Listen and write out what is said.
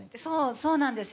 そうなんです。